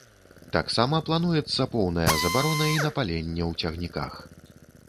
Таксама плануецца поўная забарона і на паленне ў цягніках.